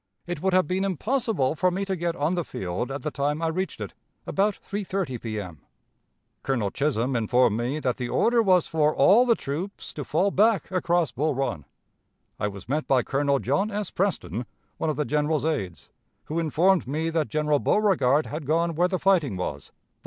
it would have been impossible for me to get on the field at the time I reached it, about 3.30 P. M. Colonel Chisholm informed me that the order was for all the troops to fall back across Bull Run.... I was met by Colonel John S. Preston, one of the General's aides, who informed me that General Beauregard had gone where the fighting was